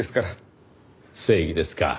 正義ですか。